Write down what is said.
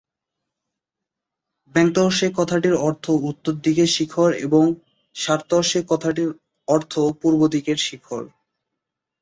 ব্যাং-র্ত্সে কথাটির অর্থ উত্তর দিকের শিখর এবং শার-র্ত্সে কথাটির অর্থ পূর্ব দিকের শিখর।